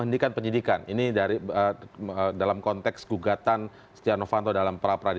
pertama penjelasannyathemeberapauncheck canalhell at